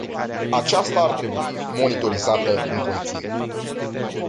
Aceasta ar trebui monitorizată în continuu.